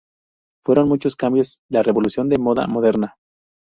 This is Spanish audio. Fueron muchos cambios, la revolución de la moda moderna.